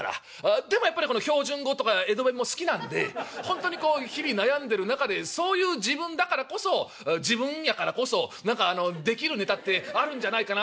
でもやっぱり標準語とか江戸弁も好きなんでほんとにこう日々悩んでる中でそういう自分だからこそ自分やからこそ何かできるネタってあるんじゃないかなと。